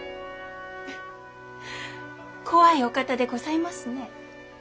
フッ怖いお方でございますね。